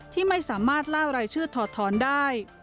ที่ไม่สามารถล่ารายชื่อถอดท้อนได้